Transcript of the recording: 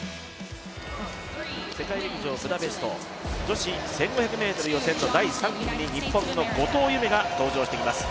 世界陸上ブダペスト女子１５００ｍ予選の第３組に日本の後藤夢が登場してきます。